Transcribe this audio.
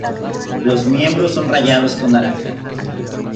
Los miembros son rayados con naranja.